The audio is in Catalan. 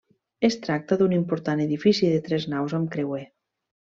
Es tracta d'un important edifici de tres naus amb creuer.